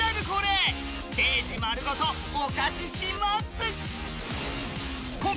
恒例、ステージまるごとお貸しします！